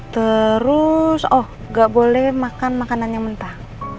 terus oh nggak boleh makan makanan yang mentah